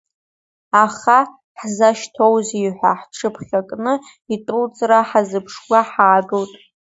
Аха ҳзашьҭоузеи ҳәа ҳҽыԥхьакны, идәылҵра ҳазыԥшуа ҳаагылт.